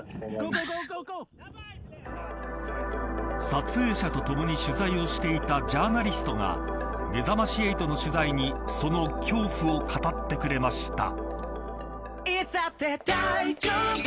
撮影者とともに取材をしていたジャーナリストがめざまし８の取材にその恐怖を語ってくれました。